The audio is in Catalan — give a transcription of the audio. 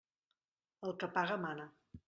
El que paga, mana.